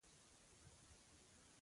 له احمد سره ټولوکلیوالو غلطه وکړله.